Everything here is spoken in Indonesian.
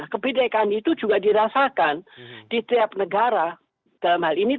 kebidaikan itu juga dirasakan di setiap negara dalam hal ini